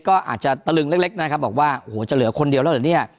ก็อาจจะตะลึงเล็กนะครับบอกว่าโอ้โหจะเหลือคนเดียวแล้วเหรอเนี่ย